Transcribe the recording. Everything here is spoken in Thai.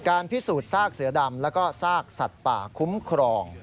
พิสูจน์ซากเสือดำแล้วก็ซากสัตว์ป่าคุ้มครอง